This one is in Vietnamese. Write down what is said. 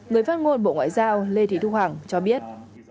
người phát ngôn bộ ngoại giao lê thị thu hằng cho biết